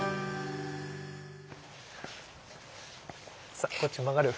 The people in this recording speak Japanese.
さあこっち曲がる。